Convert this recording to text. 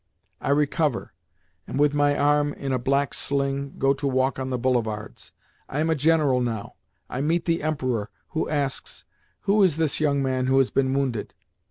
I recover and, with my arm in a black sling, go to walk on the boulevards. I am a general now. I meet the Emperor, who asks, "Who is this young man who has been wounded?"